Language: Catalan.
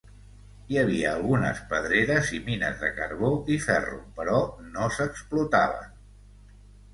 Hi havia algunes pedreres i mines de carbó i ferro, però no s'explotaven.